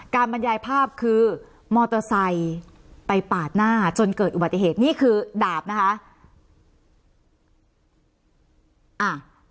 บรรยายภาพคือมอเตอร์ไซค์ไปปาดหน้าจนเกิดอุบัติเหตุนี่คือดาบนะคะ